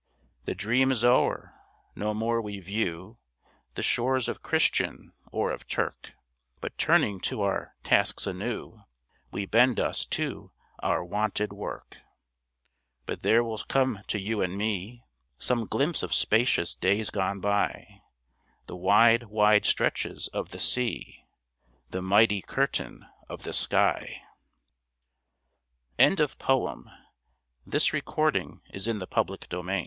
The dream is o'er. No more we view The shores of Christian or of Turk, But turning to our tasks anew, We bend us to our wonted work. But there will come to you and me Some glimpse of spacious days gone by, The wide, wide stretches of the sea, The mighty curtain of the sky, THE ORPHANAGE When, ere the tangled web is reft, The